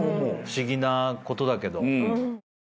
不思議なことだけど。